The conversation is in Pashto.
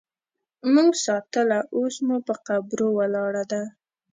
مونږ ساتله اوس مو په قبرو ولاړه ده